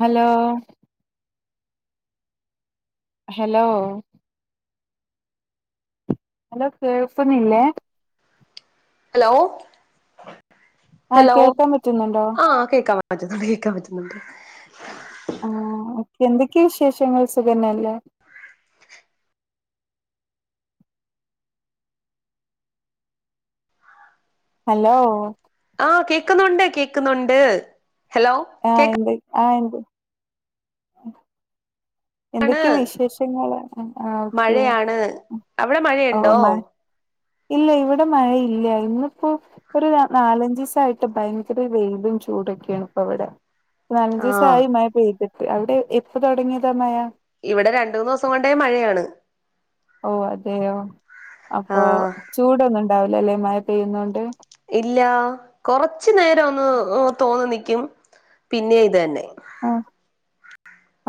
Hello hello? Hello കേൾക്കുന്നില്ലേ? Hello ആഹ് hello കേൾക്കാൻ പറ്റുന്നുണ്ടോ ആഹ് കേക്കാം. പറ്റുന്നുണ്ട് കേക്കാം പറ്റുന്നുണ്ട്. ആഹ് എന്തൊക്കെ വിശേഷങ്ങൾ സുഖന്നെല്ലേ? ഹലോ? ആഹ് കേക്കുന്നുണ്ട് കേക്കുന്നുണ്ട്. ഹലോ? ആഹ് ണ്ട് ആഹ് ണ്ട് [inaudible] കേക്കാണ് എന്തൊക്കെ വിശേഷങ്ങൾ? ആഹ് ഓക്കെ മഴയാണ് അവിടെ ഓഹ് മഴയുണ്ടോ മാ ഇല്ല ഇവിടെ മഴയില്ല ഇന്ന്പ്പോ ഒരു നാലഞ്ച് സായിട്ട് ഭയങ്കര വെയിലും ചൂടൊക്കെയാണ് ഇപ്പൊ ഇവടെ. ആഹ് അഞ്ച്സായി മഴ പെയ്തിട്ട്. അഒടെ എപ്പ തൊടങ്ങിയതാ മഴ? ഇവടെ രണ്ട് മൂന്ന് സം കൊണ്ടേ മഴയാണ്. ഓഹ് അതെയോ അപ്പൊ ആഹ് ചൂടൊന്നുണ്ടാവുലല്ലെ മഴ പെയ്യുന്നോണ്ട്? ഇല്ല കൊറച്ചു നേരം ഒന്ന് തോന്ന നിക്കും പിന്നെ ഇതന്നെ. ആഹ്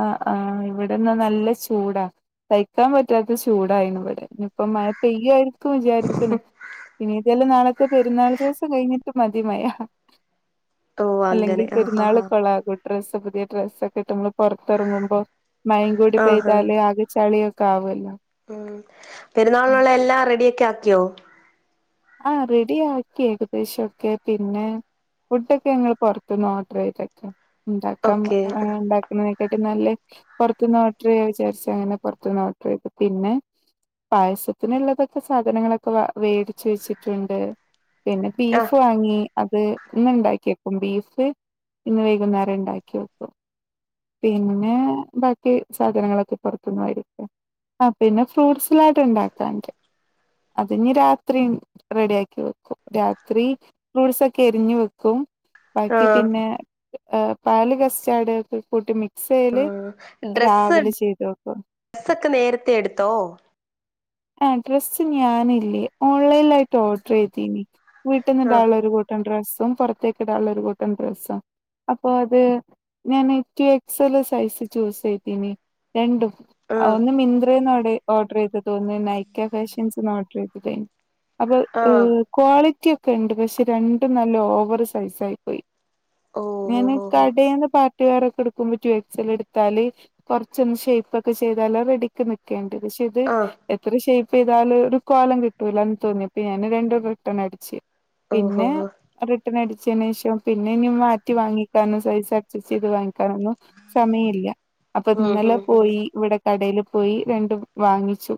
ആഹ് ആഹ് ഇവടെന്ന നല്ല ചൂടാ. തയ്ക്കാൻ പറ്റാത്ത ചൂടായിരുന്നു ഇവടെക്കെ ഇനി പ്പം മഴ പെയ്യായി വിചാരിക്ക്ണ് പിന്നെ ഇതെല്ലാം നാളത്തെ പെരുന്നാൾ ദിവസം കഴിഞ്ഞിട്ട് മതി മഴ. ഓ എല്ലെങ്കിൽ അങ്ങനെ ആഹ് പെരുന്നാൾ ആഹ് ആഹ് കൊളാകു ഡ്രസ്സ് പുതിയ ഡ്രസ്സൊക്കെ ട്ട് മ്മള് പൊർത്തർങ്ങുമ്പോ മഴ കൂടി ആഹ് പെയ്താലേ ആകെ ചളിയെ കാവല്ലോ. ഉം പെരുന്നാൾനുള്ള എല്ലാം റെഡിക്കെ ആക്കിയോ? ആഹ് റെഡി ആക്കി ഏകദേശം ഒക്കെ പിന്നെ. ഫുഡക്കെ ഞങ്ങൾ പൊർത്ത്ന്ന് ഓർഡർ ചെയ്തക്കാം ഇണ്ടാക്കാം ഓക്കെ ആഹ് ണ്ടാ ക്കാട്ട് ന്നാല് പൊർത്ത്ന്ന് ഓഡ്രെ യ്യ വിചാരിച്ച അങ്ങനെ പൊർത്ത്ന്ന് ഓഡ്രയ്തു പിന്നെ പായസത്തിനുള്ളതൊക്കെ സാധനങ്ങളൊക്കെ വ വേടി ചോയ്ച്ച് ട്ടുണ്ട് പിന്നെ ആഹ് ബീഫ് വാങ്ങി. അത് ഇന്ന് ണ്ടാക്കി ക്കും ബീഫ് ഇന്ന് വൈകുന്നേരം ണ്ടാക്കി വെക്കും. പിന്നെ ബാക്കി സാധനങ്ങളൊക്കെ പൊർത്ത് ന്നായിരിക്കും. ആഹ് പിന്നെ ഫ്രൂട്ട്സ് ലാട് ഇണ്ടാക്കാണ്ട് അത് ഞ്ഞ് രാ ത്രി റെഡി ആക്കി വെക്കും. രാത്രി ഫ്രൂട്ട്സ് ഒക്കെ എരിഞ്ഞ് വെ ക്കും ബാക്കി പിന്നെ പാൽ, കസ്റ്റാഡ് ക്കെ കൂട്ടി മി ആഹ് ഡ്രസ്സ് വെക്കും ഡ്രസ്സൊക്കെ നേരത്തെ എടുത്തോ? ആഹ് ഡ്രസ്സ് ഞാനില്ലേ ഓൺലൈലായിട്ട് ഓർഡർ യ്തിനി ആഹ് വീട്ട്ന്ന്ടാള്ള ഒരു കു ഡ്രസ്സും പൊറത്തേക്ക് ഇടാള്ളരു ഒരു കൂട്ടം ഡ്രസ്സും. അപ്പൊ ത് ഞാൻ എക്സൽ സൈസ് ചൂസ് യ്തിനി രണ്ടും. ആ ആഹ് ഒന്ന് മിന്ത്രേന്ന് ഓഡേ ഓർഡർ യ്തതും ന്ന് നൈക്ക ഫാഷൻസ്ന്ന് ഓർഡർ യ്തതേൻ. അപ്പൊ ഹ് ആഹ് ക്വാളിറ്റി ക്കെ ണ്ട് പക്ഷെ രണ്ടും നല്ല ഓവർ സൈസായി പോയി. ഓ ഓ ഞാൻ ഓ ഓ കടേന്ന് പ ട്ടി വയർ ഒക്കെ എടുക്കുമ്പോ ടു എക്സൽ എടുത്താൽ കൊറച്ചൊന്ന് ഷേപ്പ് ക്കെ യ്താല റെഡിക്ക് നി ക്കെയണ്ട് പക്ഷെ ഇത് ആഹ് എത്ര ഷേപ്പയ്താലും ഒരു കോലം കിട്ടൂല ന്ന് തോന്നി പ്പം ഞാന് രണ്ട് റിട്ടണ അടിച്ച്. ഓഹോ പിന്നെ ഹോ റിട്ടേൺ അടിച്ചന് ശേഷം പിന്നെ ഞ്ഞ് മാറ്റി വാങ്ങിക്കാനും സൈസ് അഡ്ജസ്റ്റ് ചെയ്ത് വാങ്ങിക്കാനൊ ന്നോ സമയ ല്ല്യ അപ്പൊ ഉം ഇന്നലെ ഉം ഉം പോയി ഇവടെ കടേൽ പോയി രണ്ടും വാങ്ങിച്ചു.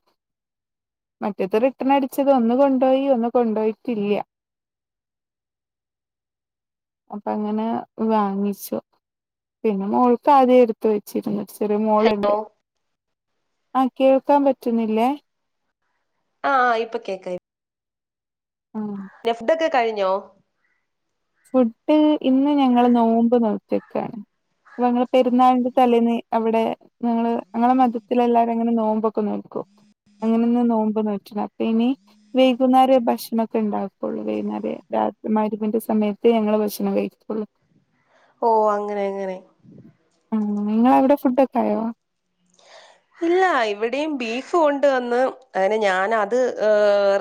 മറ്റേത് റിട്ടേൺ അടിച്ചത് ഒന്ന് കൊണ്ടോയി ഒന്ന് കൊണ്ടോയിട്ടില്ല. [inaudible] അപ്പ അങ്ങനെ വാങ്ങിച്ചു പിന്നെ മോൾക്ക് ആദ്യേ എടുത്ത് വെ ചെറിയ ചെറിയ ഹലോ മോള്ണ്ട്. ആഹ് കേൾക്കാൻ പറ്റുന്നില്ലേ? ആ ഇപ്പൊ കേക്കായി ആ ലെഫ്ഡോക്കെ കഴിഞ്ഞോ ഫുഡ് ഇന്ന് ഞങ്ങള് നോമ്പ് നോറ്റക്കാണ് അപ്പങ്ങള് പെരുന്നാളിന്റെ തലേന്ന് അവിടെ നിങ്ങള് ഞങ്ങളെ മതത്തിലെല്ലാരുംങ്ങനെ നോമ്പൊക്കെ നോൽക്കും അങ്ങെനിന്ന് നോമ്പ്നോറ്റിണ് അപ്പ ഇനി വൈകുന്നേരം ഭക്ഷണണൊക്കെ ണ്ടാക്കൊള്ളൂ വൈന്നേരെ രാത്രി മയിരിമബിന്റെ സമയത്ത് പ്പയേഞങ്ങള് ഭക്ഷണം കഴികൊള്ളൂ ഓ അങ്ങനെങ്ങനെ ആ നിങ്ങളവിടെ ഫുഡൊക്കേയോ ഇല്ല ഇവെടിം ബീഫ് കൊണ്ട് വന്ന് അങ്ങനെ ഞാനത് ഏ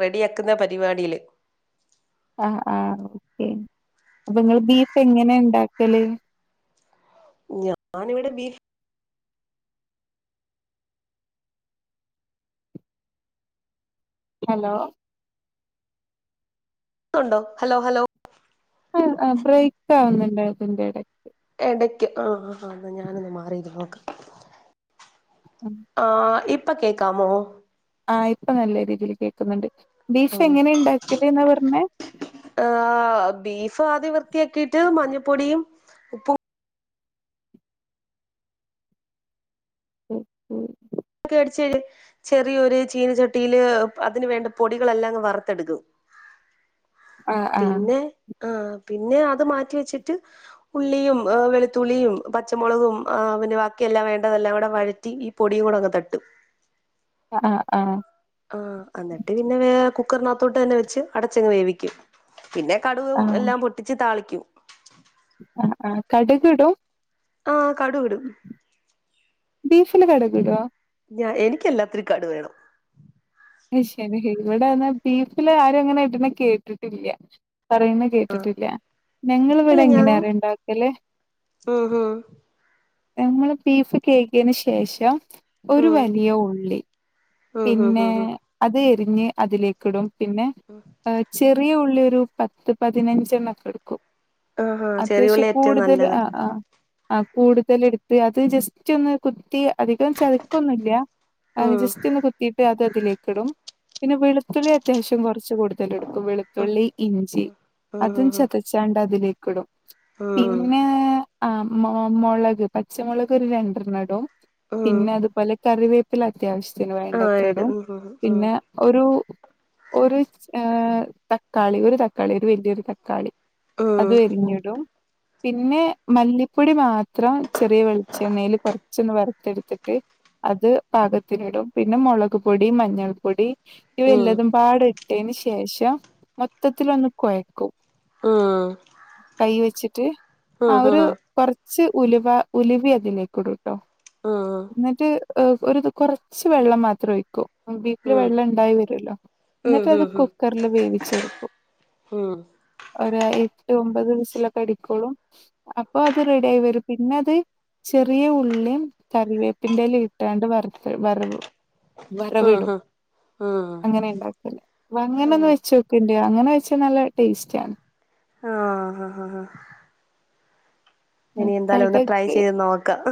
റെഡി ആക് ക്ക്ന്ന പരിപാടിയിൽ ആ ആ ഓക്കെ അപ്പൊങ്ങള് ബീഫ് എങ്ങനെ ണ്ടാക്കല് ഞാനിവ്ടെ ബീഫ് ഹെലോ അണ്ടോ ഹലോ ഹലോ ആ അബ്രേക്കാവുന്നുണ്ട് അതിന്റെടെ എടയ്ക്ക് ആആ ഞാനൊന്ന് മാറിയിരുന്നോകാം മ് ആ ഇപ്പകേക്കാമോ ആ ഇപ്പ നല്ല രീതിയിൽ കേക്ക്ന്നുണ്ട് ബീഫ് എങ്ങനെണ്ടാക്കില് ന്നാ പറഞ്ഞേ ആ ബീഫ് ആദ്യം വൃത്തിയാക്കീട്ട് മഞ്ഞപ്പൊടിയും ഉപ്പും ഉ ഉ [unintelligible] [unintelligible] ചെറിയൊരു ചീനച്ചട്ടിയില് അതിന് വേണ്ട പൊടികളെല്ലാംങ്ങ് വറുത്തെട്ക്കും [inaudible] ആ പിന്നെ ആ പിന്നെ അത് മാറ്റിവെച്ചിട്ട് ഉള്ളിയും എ വെളുത്തുള്ളിയും പച്ചമൊളകും ആ പിന്നെ ബാക്കിയെല്ലാം വേണ്ടതെല്ലാം കൂടെവഴറ്റി ഈ പൊടിയും കൂടെ തട്ടും അആ ആ ആ അന്നട്ട് പിന്നെ വേ കുക്കറിനകത്തോട്ട് തന്നെ വെച്ച് അടച്ചങ്ങ് വേവിക്കും പിന്നെ കടുകും എല്ലാം ആ പൊട്ടിച്ച് താളിക്കും അ ആ കട്കിടും ആ കടുവ്ടും ബീഫില് കടുകിടോ ഞ എനിക്ക് എല്ലാത്തിനും കടുവേണം അശെരി ഇവിടെന്ന ബീഫില് ആരും അങ്ങനെ ഇട്ണെ കേട്ടിട്ടില്ലൃ പറയീണെ കേട്ടിട്ടില്ലൃ അല്ല ഞങ്ങളിവിടെ ഞാൻ എങ്ങനെയറിയൊ ണ്ടാക്കല് ഉം ഉം നമ്മൾ ബീഫ് കേയ്കേന് ശേഷം ഒരു ഉം വലിയ ഉള്ളി ഉം ഉം പിന്നെ ഉം ഉം അത് എരിഞ്ഞ് അതിലേക്ക് ഇടും പിന്നെ ഏ ചെറിയ ഉള്ളിയൊരു പത്ത് പതിനഞ്ചെണ്ണക്കെടുക്കും ആഹാ ചെറിയുള്ളിയാ ഏറ്റവും അത്യാവിശ്യകൂടുതൽ നല്ലത് ആ ആ ആ കൂടുതല്ട്ത്ത് അത് ജസ്റ്റൊന്ന് കുത്തി അധികം ചതക്കൊന്നുല്ലൃ അ ജസ്റ്റ് ഉം ഒന്ന് കുത്തിയിട്ട് അത് അതിലേക്ക്ടും പിന്നെ വെളുത്തുള്ളി അത്യാവിശ്യം കൊറച്ച് കൊടു തലെടുക്കു വെളുത്തുള്ളി ഇഞ്ചി അതും ഉം ചതച്ചാണ്ട് അതിലേക്ക്ടും ഉം പിന്നേ ആമൊ മൊളക് പച്ചമൊളക് ഒരു രണ്ട്റണ്ണം ഇടും ഉം പിന്നെ അതുപോലെ കറിവേപ്പില അത്യാവിശ്യത്തിന് ആഹ് വേണ്ടത്ര ഇട് ഇടും ഉം ഉം പിന്നെ ഒരു ഒര് ഏ തക്കാളി ഒരു തക്കാളി ഒരു വലിയൊരു തക്കാളി ഉം അതും എരിഞ്ഞിടും പിന്നെ മല്ലിപ്പൊടി മാത്രം ചെറിയ വെളിച്ചെണ്ണയിൽ കൊറച്ചൊന്ന് വറുത്തെടുത്തിട്ട് അത് പാകത്തിനിടും പിന്നെ മുളക് പൊടി മഞ്ഞൾ പൊടി ഇവ ഉം എല്ലാതും പാട ഇട്ടന് ശേഷം മൊത്തത്തി ഒന്ന് കുഴക്കും ഉം ഉം കൈ വെച്ചിട്ട് ആ ഉം ഉം ഉം ഉം ഉം ഉം ഒരു കുറച്ച് ഉലുവ ഉലവ അതിലേക്കിടുട്ടോ എന്നിട്ട് ഒരു കുറച്ച് വെള്ളം മാത്രം ഒഴിക്കൂ ബീഫില് വെള്ളം ഉണ്ടായി വരുല്ലോ എന്നിട്ട് ഉം ഉം അത് ഉം കുക്കറില് വേവിച്ചെടുക്കും ഉം ഒര് എട്ട് ഒമ്പത് വിസിലൊക്കെ അടിക്കോളും അപ്പൊ അത് റെഡി ആയി വരും പിന്നെ അത് ചെറിയ ഉള്ളും കറിവേപ്പിന്റെ ഇലയിട്ടാണ്ട് വ വർവ്‌ വർവിടും ഓഹ് ആഹ് അങ്ങനെ ഉണ്ടാക്കേല് അങ്ങനന്ന് ഹാ വെച്ചോ ഇല്ല്യാ അങ്ങനെ കഴിച്ചാൽ നല്ല ടേസ്റ്റാണ് ആഹ് ആഹ് ആഹ് ഇനി എന്തായാലും ഒന്ന് കടക് ട്രൈ ചെയ്ത് നോക്കാം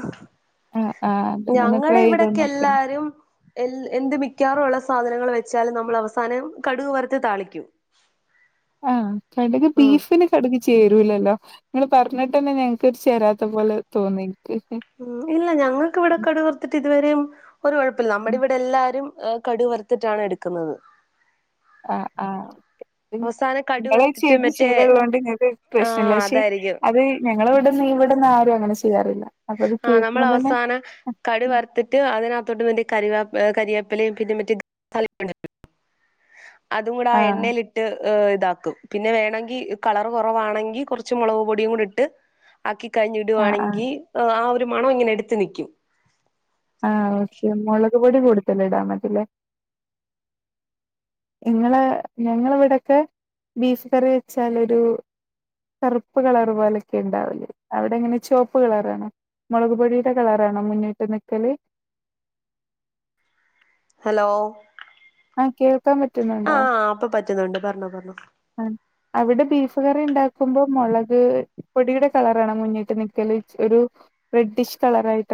ആഹ് ആഹ് അതന്നെ ഞങ്ങടെ ട്രൈ ചെയ്ത് ഇവിടൊക്കെ നോക്കണ്ട് എല്ലാരും എ എന്ത് മിക്കാറുള്ള സാധനങ്ങൾ വെച്ചാലും നമ്മള് അവസാനം കടുക് വർത്ത് താളിക്കും ആ കടുക് ഉം ബീഫിന് കടുക് ചേരൂലല്ലോ നിങ്ങള് പറഞ്ഞിട്ടെന്നെ ഞങ്ങക്ക് ചേരാത്ത പോലെ തോന്നി എനിക്ക് മ്മ് ഇല്ല ഞങ്ങൾക്കിവിടെ കടുക് വർത്തിട്ട് ഇതുവരെയും ഒരു കൊഴപ്പില്ല നമ്മുടെ ഇവിടെ എല്ലാരും കടുവറുത്തിട്ടാണ് എടുക്കുന്നത് ആഹ് ആഹ് അവസാനം കടുക് നിങ്ങള് വറുത്തിട്ട് ചെയ്ത് മറ്റേ ശീലോള്ളോണ്ട് ഇങ്ങക്ക് പ്രശ്നല്ല ആഹ് പക്ഷെ അതായിരിക്കും അത് ഞങ്ങള ഇവിടുന്ന് ഇവിടുന്ന് ആരും അങ്ങനെ ചെയ്യാറില്ല അപ്പൊ അത് കേൾക്കുമ്പോ തന്നെ കടു വറുത്തിട്ട് അതിനാത്തോട്ട് മറ്റെ കറിവാപ്പ കരിവേപ്പിലയും പിന്നെ മറ്റേ [inaudible] അതും കൂടെ ആ ആഹ് എണ്ണയിലി ഇതാക്കും പിന്നെ വേണെങ്കിൽ കളർ കുറവാണെങ്കിൽ കുറച്ച് മുളക് പൊടിയും കൂടി ഇട്ട് ആക്കി കഴിഞ്ഞിടു ആഹ് ആഹ് വാണെങ്കി ആ ഒരു മണം ഇങ്ങനെ എടുത്ത് നിക്കും ആ കുരുമുളക് പൊടി കൊടുത്തില്ലെടാ എന്നാ പിന്നെ ഇങ്ങള് ഞങ്ങളിവിടൊക്കെ ബീഫ് കറി വെച്ചാലൊരു കറുപ്പ് കളറ് പോലൊക്കെ ഉണ്ടാവല് അവിടെ എങ്ങനെ ചുവപ്പ് കളറാണോ മുളക്പൊടിയുടെ കളറാണോ മുന്നിട്ട് നിക്കല് ഹലോ ആഹ് കേൾക്കാൻ ആ പറ്റുന്നുണ്ടോ ഇപ്പൊ പറ്റുന്നുണ്ട് പറഞ്ഞോ പറഞ്ഞോ ആ അവിടെ ബീഫ് കറി ഇണ്ടാക്കുമ്പോ മൊളക് പൊടിയുടെ കളറാണോ മുന്നിട്ട് നിക്കല് ഒരു റെഡ്ഡിഷ് കളറായി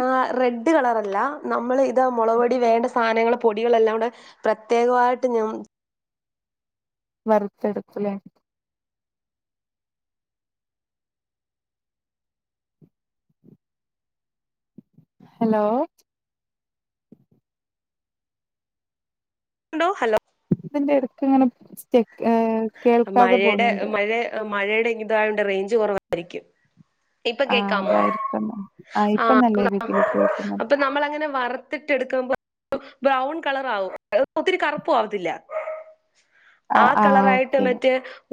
ആ റെഡ് കളറല്ല നമ്മൾ ഇത് മുളക്പൊടി വേണ്ട സാധനങ്ങള് പൊടികളെല്ലാം കൂടെ പ്രത്യേകമായിട്ട് ഞം വറുത്തെടുക്കല്ലേ ഹലോ ഹലോ ഹലോ ഇതിന്റെ ഇടക്ക് ഇങ്ങനെെ സ്റ്റെ കേൾക്കാതെ പോകുന്നുണ്ട് മഴേടെ ഇതായോണ്ട് റേഞ്ച് കൊറവായിരിക്കും ഇപ്പൊ ആഹ് കേക്കാമോ അതായിരിക്കും എന്നാ ആഹ് ആ ഇപ്പൊ നല്ല രീതിയിൽ കേൾക്കുന്നുണ്ട് അപ്പൊ നമ്മളങ്ങനെ വർ ത്തിട്ടെടുക്കുമ്പോ ബ്രൗൺ കളറാകും ഒത്തിരി കറുപ്പും ആവത്തില്ല ആ ആഹ് ആഹ് കളറായി ഓക്കെ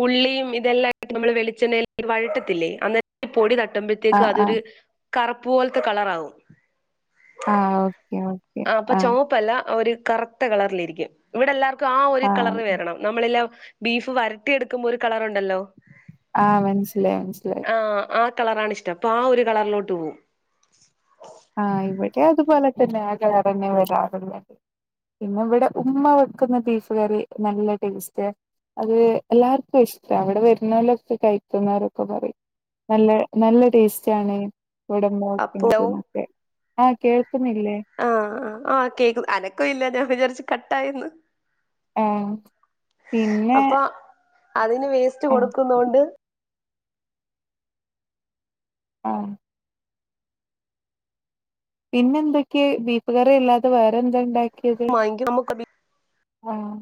ഉള്ളിയും ഇതെല്ലാം നമ്മള് വെളിച്ചെണ്ണയിൽ വഴറ്റത്തില്ലേ അന്നേരം പൊടി തട്ടുമ്പ ത്തേക്കും ആഹ് അതൊരു ആഹ് കറുപ്പ് പോലത്തെ കളറാകും ആ ഓക്കെ ഓ ആ അപ്പൊ ചുവപ്പല്ല ഒരു കറുത്ത കളറിലിരിക്കും ഇവിടെ എല്ലാവർക്കും ആ ഒരു ആഹ് കളറ് വരണം നമ്മളില്ല ബീഫ് വരട്ടി എടുക്കുമ്പോ ഒരു കളറുണ്ടല്ലോ ആ മനസ്സിലായി മനസ്സിലായി ആ ആ കളറാണിഷ്ടം അപ്പൊ ആ ഒരു കളറിലോട്ട് പോവും. ആ ഇവിടെ അതുപോലെ തന്നെ അകറന്നെ വരാറുള്ളത്. പിന്നെ ഇവിടെ ഉമ്മ വെക്കുന്ന ബീഫ് കറി നല്ല ടേസ്റ്റേ അത് എല്ലാർക്കും ഇഷ്ട ഇവിടെ വരുന്നോലൊക്കെ കഴിക്കുന്നോരൊക്കെ പറയും. നല്ല നല്ല ടേസ്റ്റാണ് ഇവിട ഉമ്മ അപ്പോ വെക്കണത് ആ കേൾക്ക്ന്നില്ലേ. ആ ആ ആ കേക്ക് അനക്കവില്ലാ ഞാൻ വിചാരിച്ച് കട്ടായിന്ന്. ഉം പിന്നെ അപ്പൊ അതിന് വേസ്റ്റ് ആഹ് കൊടുക്കുന്നോണ്ട്. ആ പിന്നെന്തൊക്കെ ബീഫ്കറി അല്ലാതെ വേറെന്താ ഇണ്ടാക്കിയത്. വാങ്ങിക്കും നമുക്ക് ആഹ്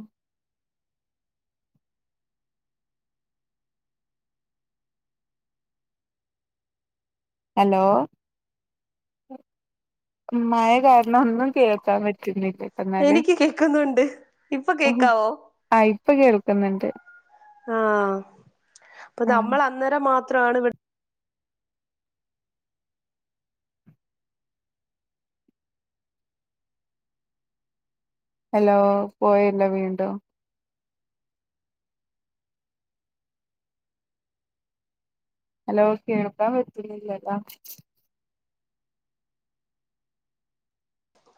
ഹലോ മഴ കാരണംഒന്നും കേൾക്കാൻപറ്റുന്നില്ല. എനിക്ക്കേക്കുന്നുണ്ട് ഇപ്പൊ കേൾക്കാവോ? ആഹ്ഇപ്പ കേൾക്കുന്നുണ്ട്. ആഹ് അപ്പ ആഹ് നമ്മൾ അന്നേരം മാത്രമാണ് ഇവ ഹലോ പോയല്ലേവീണ്ടും. ഹലോ കേൾക്കാൻ പറ്റുന്നില്ലട്ടോ.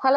ഹലോ